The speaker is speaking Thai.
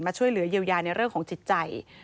ช่วยเหลือเยียวยาในเรื่องของจิตใจ